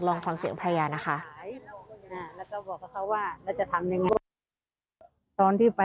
ลองฟังเสียงภรรยานะคะ